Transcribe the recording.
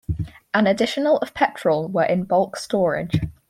An additional of petrol were in bulk storage.